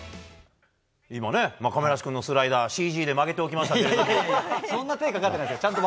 今、亀梨君のスライダーをＣＧで曲げておきましたけども。